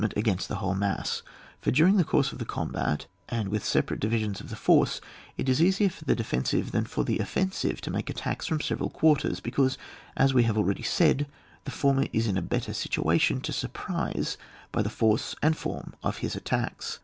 71 ment against the whole mass ; for during the course of the combat, and with sepa rate diyisions of the force, it is easier for the defensive than for the ofPensive to make attacks from several quarters, he causBf as toe have already said, the former is in a better situation to surprise hy the force andfonn of his attacks.